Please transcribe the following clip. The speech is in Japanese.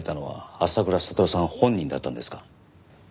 浅倉悟さん本人だったんですか？